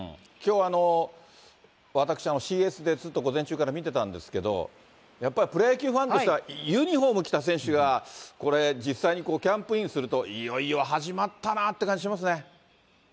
きょう私、ＣＳでずっと午前中から見てたんですけど、やっぱりプロ野球ファンとしては、ユニホーム着た選手がこれ、実際にキャンプインすると、いよいよ始まったなっていう感じしますね。